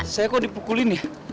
saya kok dipukulin ya